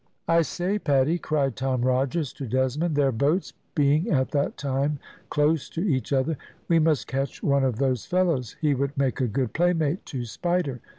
"I say, Paddy," cried Tom Rogers to Desmond, their boats being at that time close to each other, "we must catch one of those fellows; he would make a good playmate to Spider.